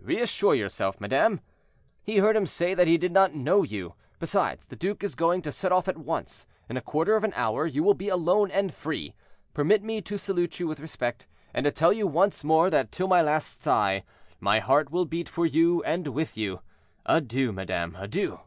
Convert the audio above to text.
"Reassure yourself, madame! he heard him say that he did not know you. Besides, the duke is going to set off at once—in a quarter of an hour you will be alone and free. Permit me to salute you with respect, and to tell you once more, that till my last sigh, my heart will beat for you and with you. Adieu, madame, adieu."